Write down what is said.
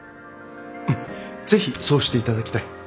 うんぜひそうしていただきたい。